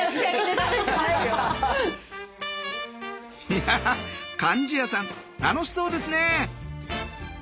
いや貫地谷さん楽しそうですね！